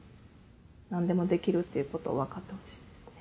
何でもできるってことを分かってほしいですね。